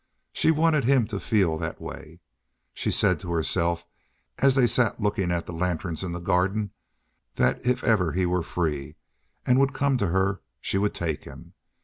She wanted him to feel that way. She said to herself, as they sat looking at the lanterns in the gardens, that if ever he were free, and would come to her, she would take him.